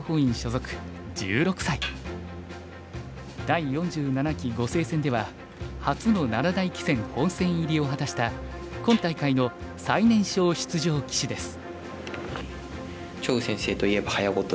第４７期碁聖戦では初の七大棋戦本戦入りを果たした今大会の最年少出場棋士です。